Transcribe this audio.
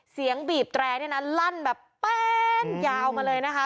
บีบแตรเนี่ยนะลั่นแบบแป้นยาวมาเลยนะคะ